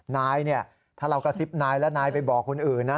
นายเนี่ยถ้าเรากระซิบนายแล้วนายไปบอกคนอื่นนะ